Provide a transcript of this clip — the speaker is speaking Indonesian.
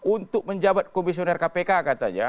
untuk menjabat komisioner kpk katanya